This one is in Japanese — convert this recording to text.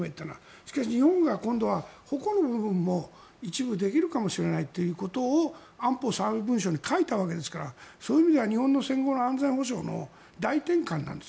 しかし日本がほこの部分も一部できるかもしれないということを、安保３文書に書いたわけですからそういう意味では日本の戦後の安全保障の大転換なんです。